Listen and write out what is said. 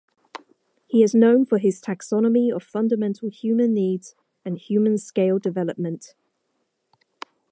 He is known for his taxonomy of fundamental human needs and human scale development.